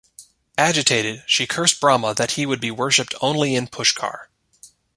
Agitated, she cursed Brahma that he would be worshipped only in Pushkar.